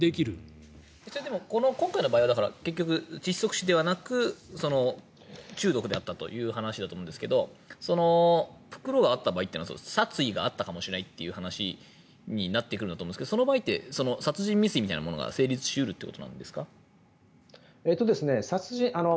今回の場合はだから結局、窒息死ではなく中毒であったという話だと思うんですけど袋があった場合殺意があったかもしれないという話になってくると思いますがその場合って殺人未遂みたいなものが成立し得るということなんですか？